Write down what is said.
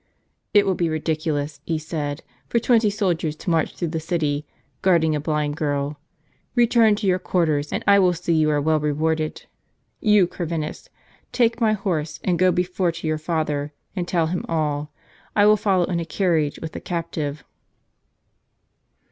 "It will be ridiculous," he said, "for twenty soldiers to march through the city, guarding a blind girl. Keturn to your quarters, and I will see you are well rewarded. You, Corvinus, take my horse, and go before to your father, and tell him all, I will follow in a carriage with the captive."